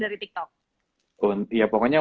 dari tiktok ya pokoknya